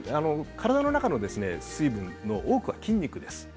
体の中の水分の多くは筋肉です。